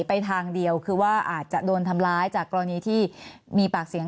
ไปทางเดียวคือว่าอาจจะโดนทำร้ายจากกรณีที่มีปากเสียง